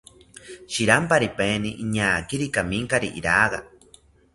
Shiramparipaeni iñaakiri kaminkari iraga